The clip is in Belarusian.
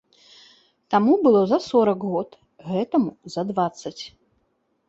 Таму было за сорак год, гэтаму за дваццаць.